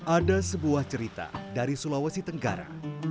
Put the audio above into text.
ada sebuah cerita dari sulawesi tenggara